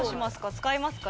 使いますか？